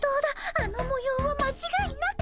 あのもようはまちがいなく。